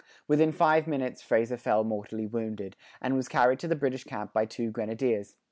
Within five minutes Fraser fell mortally wounded, and was carried to the British camp by two grenadiers.